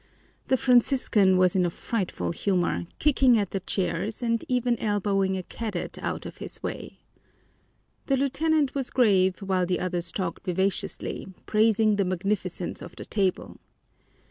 The Franciscan was in a frightful humor, kicking at the chairs and even elbowing a cadet out of his way. The lieutenant was grave while the others talked vivaciously, praising the magnificence of the table.